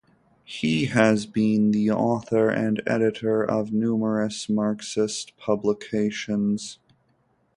He has been the author and editor of numerous Marxist publications.